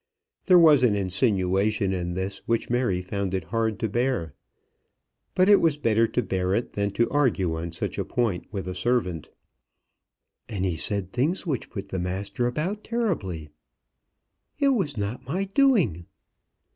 There was an insinuation in this which Mary found it hard to bear. But it was better to bear it than to argue on such a point with the servant. "And he said things which put the master about terribly." "It was not my doing."